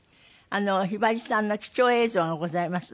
ひばりさんの貴重映像がございます。